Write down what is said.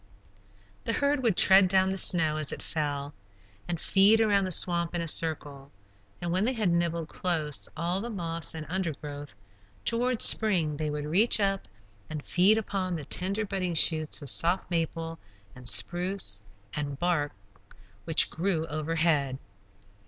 The herd would tread down the snow as it fell, and feed around the swamp in a circle, and when they had nibbled close all the moss and undergrowth, toward spring they would reach up and feed upon the tender budding shoots of soft maple and spruce and barks which grew overhead.